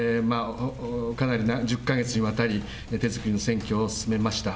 かなり長い、１０か月にわたり、手作りの選挙を進めました。